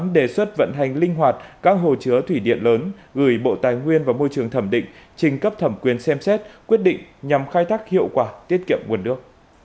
đề xuất vận hành linh hoạt các hồ chứa thủy điện lớn gửi bộ tài nguyên và môi trường thẩm định trình cấp thẩm quyền xem xét quyết định nhằm khai thác hiệu quả tiết kiệm nguồn nước